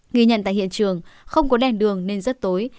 nghi nhận tại hiện trường không có đèn đường nên rất tối